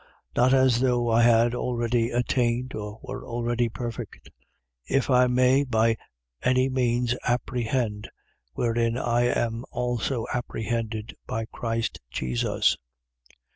3:12. Not as though I had already attained, or were already perfect: but I follow after, if I may by any means apprehend, wherein I am also apprehended by Christ Jesus.